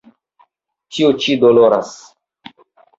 Tio ĉi doloras!